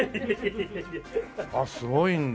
あっすごいんだ。